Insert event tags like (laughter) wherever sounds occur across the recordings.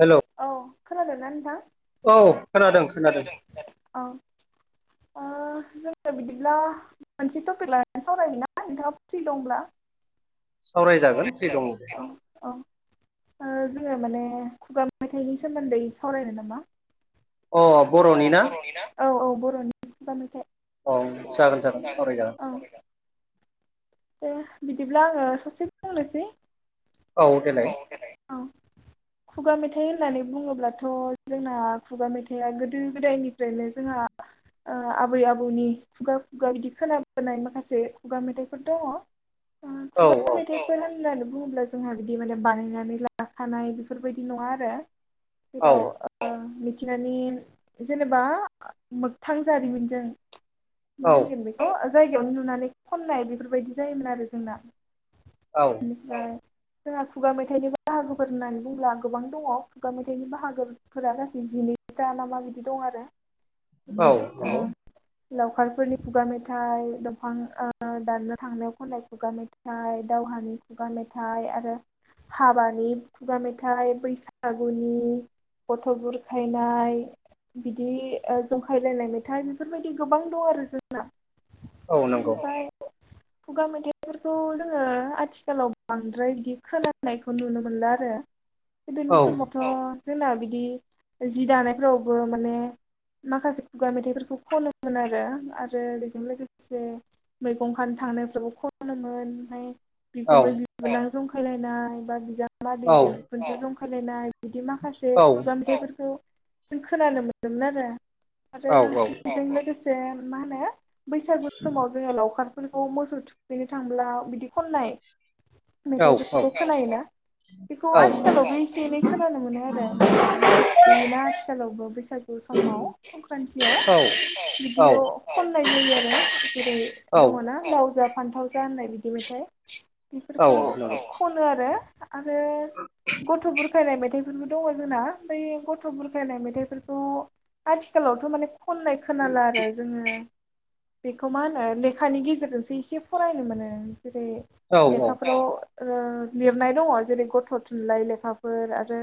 Hello औ खोनादोंना नोंथां? औ औ खोनादों खोनादों खोनादों जोंङो बिदिब्ला मोनसे टपिक लानानै सावरायनो ना नोंथाङा फ्रि दंब्ला? औ सावरायजागोन फ्रि दङ दे। आङो माने खुगा मेथाइनि सोमोन्दै सावरायनो नामा? अ बर'नि ना? औ औ बर'नि खुगा मेथाइ औ जागोन जागोन सावराय जागोन। औ दे बिदिब्ला आङो ससे बुंनोसै। औ देलाइ खुगा मेथाइ होननानै बुङोब्लाथ' जोंना खुगा मेथाइआ गोदो गोदायनिफ्रायनो जोंहा ओ आबै आबौनि खुगा खुगा बिदि खोनाबोनाय माखासे खुगा मेथाइ फोर दंङ ओ औ खुगा औ मेथाफोर होमब्ला बुङोब्ला जोंहा बिदि माने बानायनानै लाखानाय बेफोरबायदि नङा आरो । जेराव ओ मि थिंगानि जेनेबा मोगथां जारिमिनजों । मा औ होनगोन बेखौ जायगायावनो नुनानै खननाय बेफोरबायदि जायोमोन आरो जोंना। बिनिफ्राय जोंहा खुगा मेथाइनिबो बाहागोफोर होननानै बुंब्ला गोबां दङ खुगा मेथाइनि बाहागोफोरा गासै जिन नै ता ना मा बिदि दं आरो औ बे ओ लावखारफोरनि खुगा मेथाइ दंफां ओ दाननो थांनायाव खननाय खुगा मेथाइ दावहानि खुगा मेथाइ आरो हाबानि खुगा मेथाइ बैसागुनि गथ' बुरखायनाय बिदि ओ जंखायलायनाय मेथाइ बेफोरबायदि गोबां दं आरो जोंना औ नोंगौ। बेनिफ्राय खुगा मेथाइ फोरखौ जोङो आथिखालाव बांद्राय बिदि खोनानायखौ नुनो मोनला आरो गोदोनि औ समावथ' जोंना बिदि जि दानायफोरावबो माने माखासे खुगा मेथाइफोरखौ खनोमोन आरो आरो बेजों लोगोसे मै गंखानो थानो सुबुं खनोमोन ओमफाय औ बिखुमै बिबोनां जंखायलायनाय बा बिजा औ मादैजों बिखुनजो जं खालायनाय बिदि माखासे औ खुगा मेथाइफोरखौ जों खोनानो मोनोमोन आरो आरो औ बेजों लोगोसे मा होनो? बैसागु समाव जोङो लावखारफोरखौ मोसौ थुखैनो थांब्ला बिदि खननाय औ मेथायाइफोरखौ खोनायोना बेखौ औ आथिखालावबो एसे एनै खोनानो मोनो आरो जोंनि मोसौ थुखैयोना आथिखालावबो बैसागु समाव संक्रान्तियाव बिदियाव खननाय जायो आरो जेरै दङ ना लावजा फान्थावजा होननाय बिदि मेथाइ बेफोरखौ नंगौ खनो आरो आरो गथ' बुरखायनाय मेथाइफोरबो दङ जोंना बै गथ' बुरखायनाय मेथाइफोरखौ आथिखालावथ' माने खननाय खोनाला आरो जोङो बेखौ मा होनो ले खानि गेजेरजोंसो एसे फरायनो मोनो जेरै औ नंगौ औ लेखाफोराव ओ लिरनाय दङ जेरै गथ' थुनलाइ लेखाफोर रो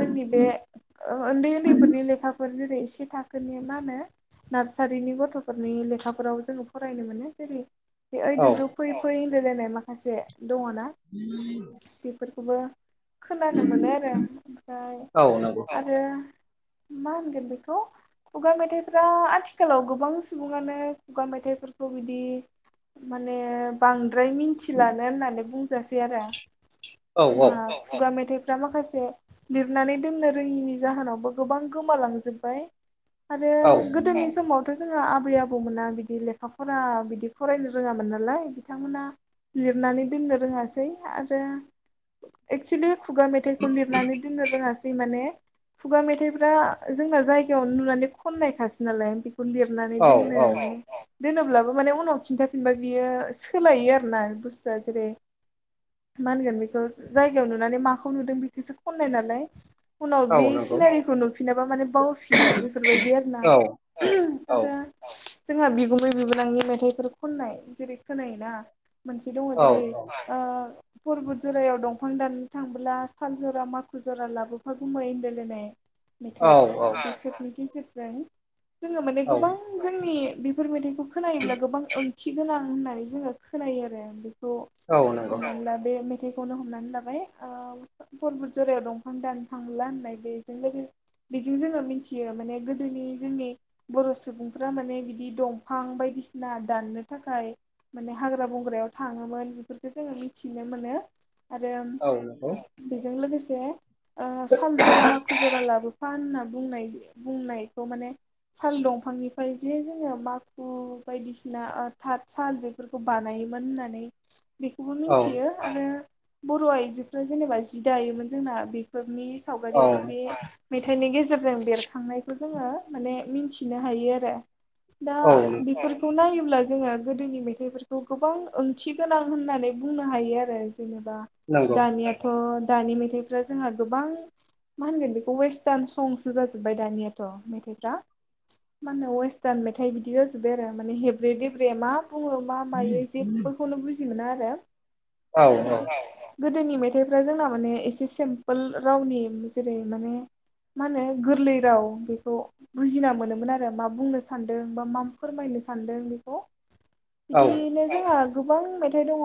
जोंनि बे ओन्दै ओन्दैफोरनि लेखा फोर जेरै से थाखोनि मानो नार्सारिनि गथ'फोरनि लेखाफोराव जोङो फरायनो मोनो। जेरै ओइ औ दु दु फैय फैय होनलायलानाय माखासे दङ ना बेफोरखौबो खोनानो मोनो आरो ओमफ्राय औ नंगौ आरो मा होनगोन बेखौ खुगा मेथाइफ्रा आथिखालाव गोबां सुबुङानो खुगा मेथाइफोरखौ बिदि माने बांद्राय मिथिलानो होननानै बुंजासै आरो औ जोंहा खुगा मेथाइफ रा माखासे लिरनानै दोननो रोङिनि जाहोनावबो गोबां गोमालांजोबबाय। आरो औ औ गोदोनि समावथ' जोंहा आबै आबौमोना बिदि लेखा फरा बिदि फरायनो रोङामोन नालाय बिथांमोना लिरनानै दोननो रोङासै आरो एक्सुलि खुगा मेथाइखौ लिरनानै दोननो रोङास सै माने खुगा मेथाइफ्रा जोंना जायगायाव नुनानै खननायखासो नालाय। गुलिरनानै औ दोननो। दोनोब्लाबो माने उनाव खिन्थाफिनबा बियो सोलायो आरोना बुस्थुआ जेरै मा होनगोन बेखौ जायगायाव नुनानै माखौ नुदों बेखोसो खननाय नालाय। उनाव बे सिनारिखौ नुफिनाबा माने बावफिनो बेफोरबायदि आरो ना। आरो जोंहा बिगुमै बिबोनांनि मेथाइफोर खननाय जेरै खोनायोना। मोनसे दङ जेरै ओ परबुत जरायाव दंफां दाननो थांबोला साल जरा माखु जरा लाबोफा गुमै होन्दायलायनाय मेथाइ औ बेफोरनि गेजेरजों जोङो माने औ गोबां जोंनि बेफोर मेथाइखौ खोनायोब्ला गोबां ओंथि गोनां होननानै जोङो खोनायो आरो द औ नंगौ हमनाला बे थेखौनो हमनानै लाबाय ओ फरबुत जरायाव दंफां दानफांला होननाय बेजोंनो बेजों जोङो मिनथियो माने गोदोनि जोंनि बर' सुबुंफ्रा माने बिदि दं। फां बायदिसिना दाननो थाखाय माने हाग्रा बंग्रायाव थाङोमोन बेफोरखौ जोङो मिथिनो मोनो। आरो औ नंगौ बेजों लोगोसे साल जरा माखु जरा लाबो बिफा होनना बुंनाय बुंनायखौ माने साल दंफांनिफ्राय जे जोङो मा खु बायदिसिना थाथ साल बेफोरखौ बानायोमोन होननानै बेखौबो औ मिथियो आरो बर' आइजोफ्रा जेनेबा जि दायोमोन जोंना बेफोरनि औ सावगारियाबो बे औ मेथाइनि गेजेर फोरजों बेरखांनायखौ जोङो माने मिथिनो हायो आरो दा बेफोरखौ नायोब्ला जोङो गोदोनि मेथाइफोरखौ गोबां ओंथि गोनां होननानै बुंनो हायो आरो जेनेबा नंगौ दानियाथ' दानि मेथाइफ्रा जोंहा गोबां मा होनगोन बेखौ वेस्टार्न संसो जाजोब्बाय दानियाथ' मेथाइफ्रा मान होनो वेस्टार्न मेथाइ बिदि बिदि जाजोब्बाय आरो माने हेब्रे देब्रे मा बुङो मा मायो जेबोखौनो बुजि मोना आरो। औ। गोदोनि मेथाइफ्रा जोंना माने एसे सिम्पोल रावनि जेरै माने मा होनो गोरलै राव बेखौ बुजिना मोनोमोन आरो मा बुंनो सान्दों बा मा फोरमायनो सानदों बेखौ औ बिदिनो जोंहा गोबां मेथाइ दङ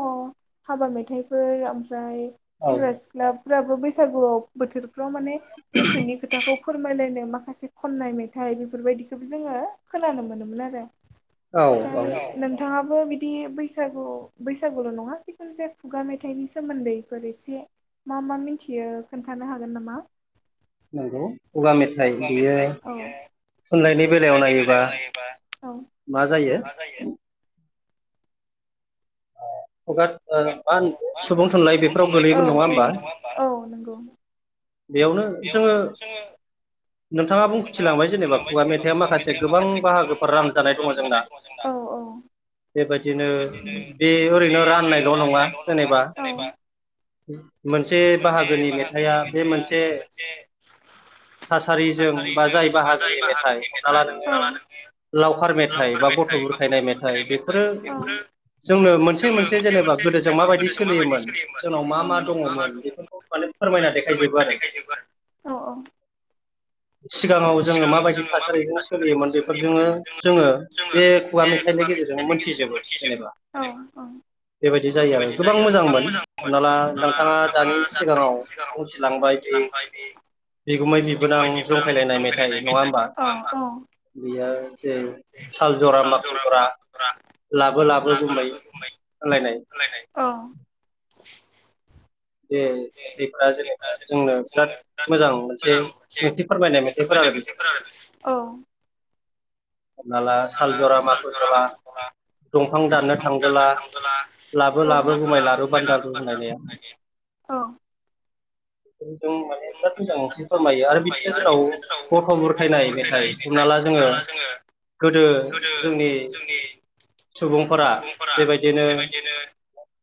हाबा मेथाइफोर ओमफ्राय औ सेंग्रा सिख्ला फोराबो बैसागुआव बोथोरफ्राव माने गोसोनि खोथाखौ फोरमायलायनो माखासे खननाय मेथाइ बेफोरबायदिखौबो जोङो खोनानो मोनोमोन आरो। औ ओमफ्राय औ नोंथाङाबो बिदि बैसागु बैसागुल' नङा जिखुनु जाया खुगा मेथाइनि सोमोन्दैफोर एसे मा मा मिथियो खोन्थानो हागोन नामा? नंगौ खुगा मेथाइ बियो थुनलायनि बेलायाव नायोबा औ मा जायो खुगा ओ मा औ होनो सुबुं थुनलाइ औ बेफोराव गोलैयोमोन नङा औ होमबा नंगौ। (inaudible) बेयावनो जोङो नोंथाङा बुंथिलांबाय जेनेबा खुगा मेथाइआ माखासे गोबां बाहागोफोर रानखानाय दङ जोंना। औ बेबायदिनो बे ओरैनो राननायल' नङा जेनेबा मोनसे बाहागोनि मेथाइआ बे मोनसे थासारिजों बा जाय बाहागोनि मेथाइ हमना ला नोङो। लावखार मेथाइ बा गथ' बुरखायनाय मेथाइ बेफोरो जोंनो मोनसे मोनसे जेनेबा गोदोजों माबायदि सोलियोमोन जोंनाव मा मा दं दङ बेफोरखौ माने फोरमायना देखायजोबो आरो दङमोन सिगाङाव जोङो माबायदि थासारिजों सोलियोमोन बेफोरजोंनो जोङो बे खुगा मेथाइनि गेजेर जों मोनथिजोबो जेनेबा औ औ बेबायदि जायो आरो गोबां मोजांमोन हमना ला नोंथाङा दानि सिगाङाव बुंथिलांबाय बे (inaudible) (unintelligible) बिगुमै बिबोनां जंखायलायनाय मेथाइ नङा होमबा बेयो जे साल जरा माखल जरा लाबो लाबो बुंबाय औ बे मेथाइफोरा जेनेबा जोंनो बिराद मोजां मोनसे ओंथि फोरमायनाय मेथाइफोर आरो। बेफोर औ हमना ला साल जरा माखु जरा दंफां दाननो थांबोला लाबो औ लाबो गुमै लारु बान्दारु होनलायनाया औ (unintelligible) बिराद मोजां मोनसे फोरमायो आरो बिदिनो जोंनाव गथ' बुरखायनाय मेथाइ हमना ला जोङो गोदो जोंनि सुबुंफोरा बेबायदिनो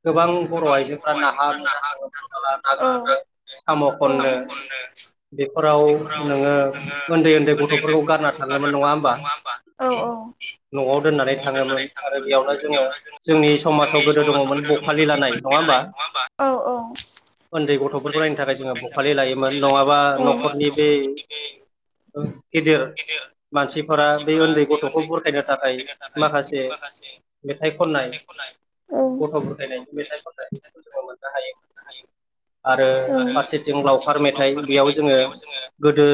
गोबां बर' आइजोफोरा नाहा मैना थाङोब्ला माबला ना गुरनो साम' खननो खननो बेफोराव नोङो उन्दै उन्दै गथ'फोरखौ गारना थाङोमोन नङा होमबा औ औ न'आव दोननानै थाङोमोन आरो बेयावनो जोङो जोंनि समाजाव गोदो दङमोन बखालि लानाय नङा होम औ औ उन्दै गथ'फोरखौ नायनो थाखाय जोङो बुफलि लायोमोन नङाबा न'खरनि बे औ गेदेर मानसिफोरा बे उन्दै गथ'खौ बुरखायनो थाखाय माखासे मेथाइ खननाय आरो गथ' गथाय बुरखायनायनि मेथाइ खननायखौ जोङो मोननो हायो। आरो फारसेथिं लावखार मेथाइ बेयाव जोङो गोदो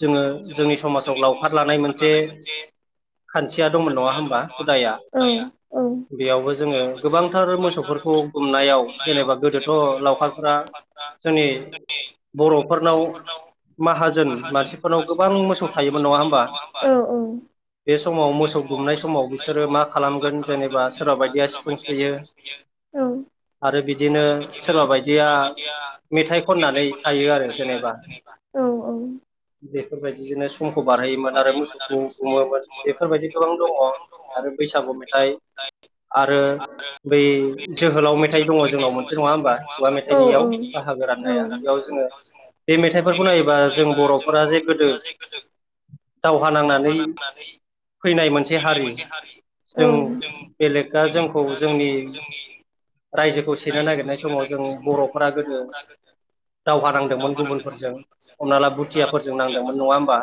जोङो जोंनि समाजाव लावखार लानाय मोनसे खान्थिया दंमोन नङा होमबा हुदाया बेयावबो जोङो गोबांथार मोसौफोरखौ गुमनायाव जेनेबा गोदोथ' लावखारफ जोंनि बर'फोरनाव माहाजोन मानसिफोरनाव गोबां मोसौ थायोमोन नङा होमबा बे समाव मोसौ गुमनाय समाव बिसोरो मा खालामगोन जेनेबा सोरबा बायदिया सिफुं सुयो औ आरो बिदिनो सोरबा बाय दिया मेथाइ खननानै खायो आरो जेनेबा बेफोरबायदिजोंनो समखौ बारहोयोमोन आरो मोसौखौ गुमोमोन बेफोरबायदि गोबां दङ आरो बैसागु मेथाइ आरो बै जोहोलाव मेथाइ दङ जोंनाव मोनसे नङा होमबा जायनियाव बाहागो राननाया बेयाव जोङो बे मेथाइफोरखौ नायोबा जों बर'फोरा जे गोदो दावहा नांनानै फैनाय मोनसे हारि जों बेलेगआ जोंखौ जोंनि रायजोखौ सेनो नागिरनाय सेनो समाव जों नागिरनाय समाव जों गोदो बर'फोरा गोदो दावहा नांदोंमोन गुबुनफोरजों हमना ला बुथियाफोरजों नांदोंमोन नङा होमबा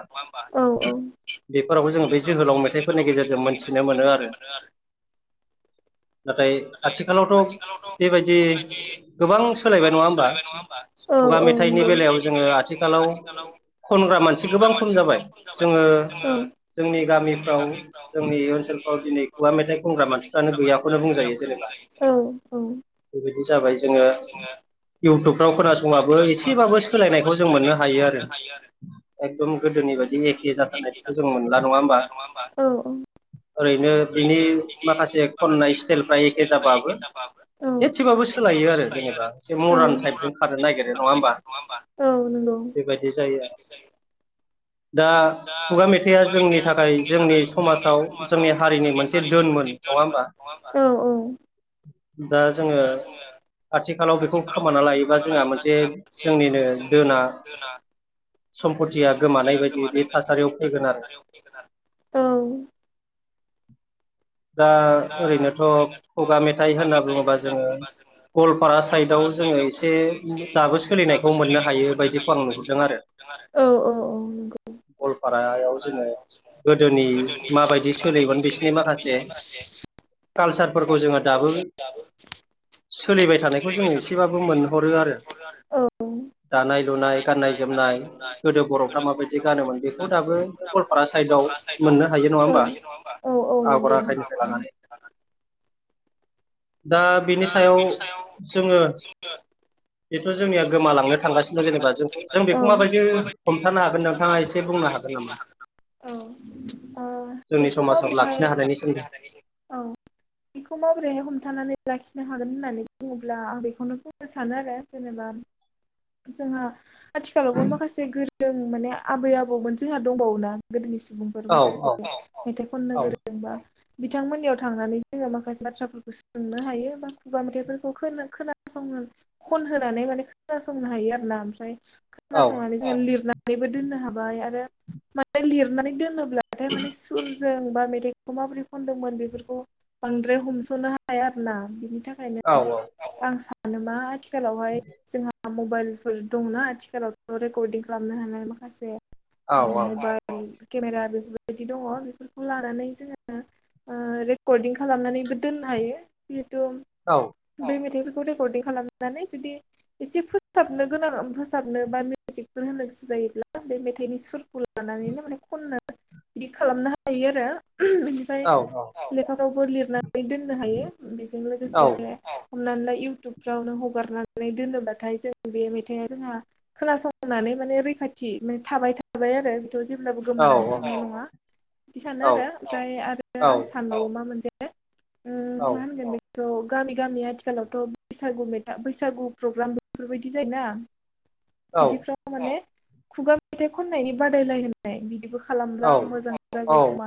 बेफोरावबो जोङो बे जोहोलाव मेथाइफोरनि गेजेरजों मोनथिनो मोनो आरो (inaudible) नाथाय आथिखालावथ' बेबाय बेबादि गोबां सोलायबाय नङा होमबा औ खुगा औ नोंगौ मेथाइनि बा बेलायाव मेथायनि जोङो बेलायाव जोङो आथिखालाव खनग्रा मानसि गोबां खम जाबाय जोङो जोंनि गामिफ्राव जोंनि ओनसोलफ्राव दिनै खुगा मेथाइ खनग्रा मानसिफ्रानो गैयाखौनो बुंजायो जेनेबा औ औ बेबायदि जाबाय जोङो इउटुब फ्राव खोनासङाबो एसेबाबो सोलायनायखौ जों मोननो हायो आरो एकदम गोदोनि बायदि ए खे जाथार बेखौ जों मोनला नङा होमबा औ औ ओरै बिनि माखासे खननाय स्टाइलफ्रा एखे जाबाबो औ एसेबाबो सोलायो आरो जेनेबा एसे मडार्न टाइपजों खारनो नागिरो नङा होमबा बेबायदि जायो बेबायदि जायो दा दा मेथाइआ खुगा मेथाइया थाखाय जोंनि थाखाय जोंनि समाजाव जोंनि समाजाव हारिनि जोंनि मोनसे हारिनि दोनमोन मोनसे नङा दों होमबा मोन नङा होमबा औ औ दा जोङो आथिखालाव बेखौ खोमाना लायोबा जोंहा मोनसे जोंनिनो दोना सम्पतिया सम्पथिया बायदि बे गोमानाय बायदि थासारियाव बे फैगोन आरो थासारियाव फैगोन आरो औ (inaudible) दा ओरैनोथ' खगा मेथाइ होनना बुङोबा जोङो गवालपारा साइडआव गवालपारा जोङो साइदआव एसे जोङो एसे दाबो सोलिनायखौ दाबो सोलिनायखौ हायो मोननो बायदिखौ आं हायो नुहुरदों बायदिखौ आं आरो नुहुरदों आरो औ औ औ नंगौ गवालपारायाव जोङो गोदोनि माबायदि सोलियोमोन बिसिनि माखासे कालसारफोरखौ जोङो दाबो सोलिबाय थानायखौ जोङो एसेबाबो मोनहरो आरो दानाय लुनाय गाननाय जोमनाय गोदो बर'फ्रा माबायदि गानोमोन बेखौ दाबो गवालपारा साइडआव फारा साइट आव मोननो हायो नङा मोननो होमबा हायो नङा होमबा औ औ आगर नंगौ आखाइनिफ्राय लानानै (unintelligible) दा बि दा बेनि सायाव जोङो बेथ' जोंनिया गोमालांनो थांगासिनो जेनेबा ज जों बेखौ माबायदि हमथानो हागोन नोंथाङा एसे बुंनो हागोन नामा? (unintelligible) औ ओ जोंनि बेखौ समाजाव माब्रैहाय लाखिनो हानायनि सोमोन्दै औ बेखौ माबोरैहाय हमथानानै लाखिनो नो होन होन्नानै बुङोब्ला आं बेखौनो बुंनो सानो आरो जेनेबा जोंहा आथिखालावबो माखासे गोरों माने आबै आबौमोन जोंहा दंबावोना गोदोनिसि सुबुंफोर औ माखासे औ मेथाइ औ खननोगोरजों बा बिथांमोननियाव थांनानै जोङो माखासे बाथ्राफोरखौ सोंनो हायो बा खुगा मेथाइफोरखौ खोनासङो होनानै खंनो हायो ना खोना औ संना लिर नानैबो दोननो हाबाय आरो माने लिरनानै दोनोब्लाथाय माने स जों बा मेथाइखौ माबोरै खदोंमोन बेफोरखौ बांद्राय हमस'नो हाया आरोना बिनि थाखाय औ ओंखायनो आं सान मा आथिखालावहाय जोंहा मबाइलफोर दंना आथिखालावथ' रेकर्डिं खालामनो हानाय माखासे औ मबाइल केमेरा बेफोरबायदि दङ बेफोरखौ लानानै जोङो रेकर्डिं खालामनानैबो दोननो हायो । थ औ बे मेथाइफोरखौ रेकर्डिं खालामनानै जुदि एसे फोसाबनो गोनां फोसाबनो बा मउजिकफोर होनो गोसो जायोब्ला बे मेथाइनि सुरखौलाना नै माने खननो बिदि खालामनो हायो आरो । बिनिफ्राय औ लेखाखौबो लिरनानै दोननो हायो बेजों लोगोसे हनानैला इउटुब नो हगारनानै दोनोब्लाथाय जों बे मेथाइआ जोंहा खोनासंनानै माने रैखाथि थाबाय थाबाय आरो । जेब्लाबो औ गोमानानै थांनाय नङा बिदि सानो आरो ओमफ्राय आरो औ आं सानबाव मा मोनसे मा होनगोन बेथ' गामि गामि आथिखालावथ' बैसागु मेथा बैसागु प्रग्राम बेफोरबायदि जायोना बिदिफ्रा माने खुगा मेथाइ खननायनि बादायलाय होननाय बिदिबो औ खालामब्ला आं मोजां औ जागौ औ